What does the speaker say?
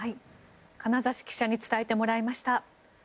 金指記者に伝えてもらいました。